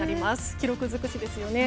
記録尽くしですよね。